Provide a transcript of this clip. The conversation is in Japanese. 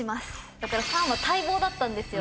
だからファンは待望だったんですよ。